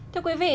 thưa quý vị